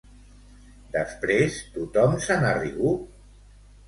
Després tothom se n'ha rigut?